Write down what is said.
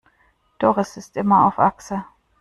Doris ist immer auf Achse.